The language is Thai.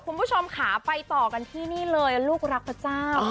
คุณผู้ชมค่ะไปต่อกันที่นี่เลยลูกรักพระเจ้า